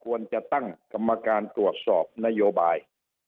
ควรจะตั้งกรรมการตรวจสอบนโยบาย